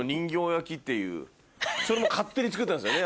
それも勝手に作ったんですよね